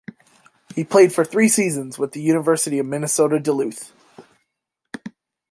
He played for three seasons with the University of Minnesota-Duluth.